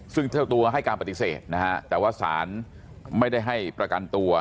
ซึ่งเจ้าตัวให้การปฏิเสธนะฮะแต่ว่าสารไม่ได้ให้ประกันตัว